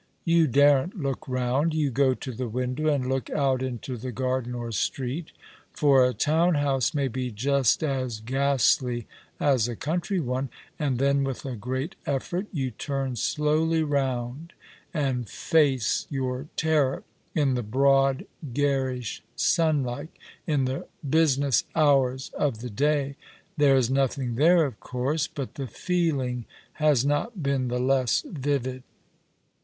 You daren't look round. You go to the window and look out into garden or street — for a town house may be just as ghastly as a country one— and then with a great effort you turn slowly round and face your terror, in the broad, garish sunlight, in the business hours of the day. There is nothing there, of course ; but the feeling has not been the less vivid.